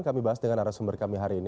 kami bahas dengan arah sumber kami hari ini